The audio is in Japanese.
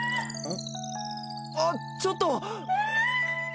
あっちょっと！